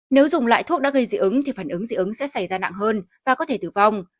nếu dùng lại thuốc đã gây dị ứng thì phản ứng dị ứng sẽ xảy ra nặng hơn và có thể tử vong